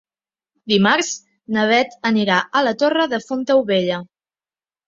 Dimarts na Beth anirà a la Torre de Fontaubella.